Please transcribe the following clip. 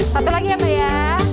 satu lagi ya mbak ya